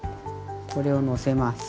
これをのせます。